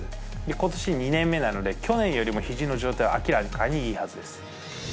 ことし２年目なので、去年よりもひじの状態は明らかにいいはずです。